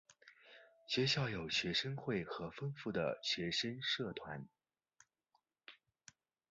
学校有学生会和丰富的学生社团。